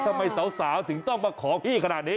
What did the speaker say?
ทำไมสาวถึงต้องมาขอพี่ขนาดนี้